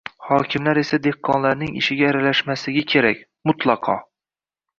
Hokimlar esa dehqonlarning ishiga aralashmasligi kerak, mutlaqo.